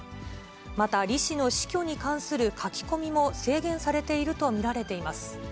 また、李氏の死去に関する書き込みも制限されていると見られています。